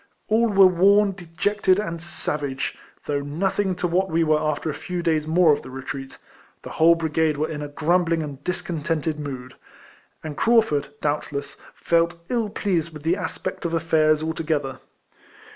All were worn, dejected, and savage, though nothing to what we were after a few days more of the retreat. The whole brigade were in a grumbling and discontented mood ; RIFLEMAN HARRIS. 197 and Craufurd, doubtless, felt ill pleased with the aspect of affairs altogether.